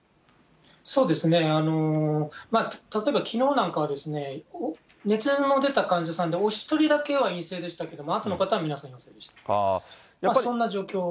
そうですね、例えばきのうなんかは熱の出た患者さんでお１人だけは陰性でしたけど、あとの方は皆さん陽性でした。